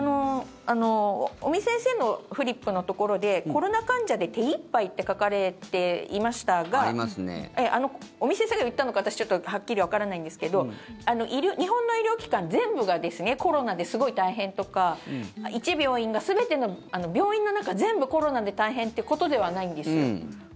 尾身先生のフリップのところでコロナ患者で手いっぱいって書かれていましたが尾身先生が言ったのか私はっきりわからないんですけど日本の医療機関全部がコロナですごい大変とか１病院が病院の中、全部コロナで大変ってことではないんですよ。